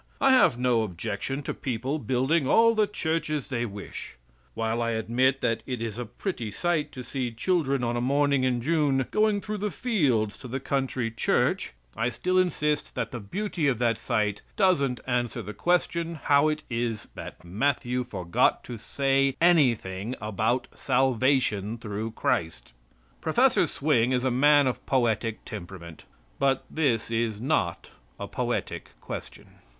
I have no objection to people building all the churches they wish. While I admit that it is a pretty sight to see children on a morning in June going through the fields to the country church, I still insist that the beauty of that sight doesn't answer the question how it is that Matthew forgot to say anything about salvation through Christ. Prof. Swing is a man of poetic temperament; but this is not a poetic question."